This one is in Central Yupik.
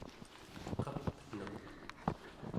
qapneq